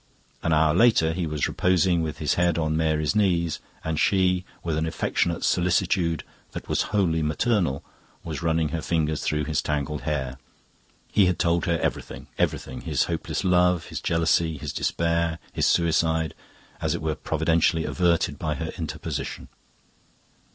An hour later he was reposing with his head on Mary's knees, and she, with an affectionate solicitude that was wholly maternal, was running her fingers through his tangled hair. He had told her everything, everything: his hopeless love, his jealousy, his despair, his suicide as it were providentially averted by her interposition.